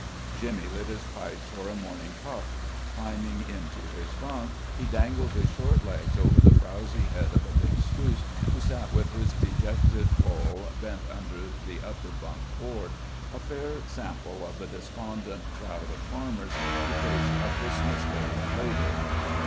Jimmy lit his pipe for a morning puff; climbing into his bunk, he dangled his short legs over the frowsy head of big Scouse who sat with his dejected poll bent under the upper bunk board, a fair sample of the despondent crowd of farmers who faced a Christmas Day of labor.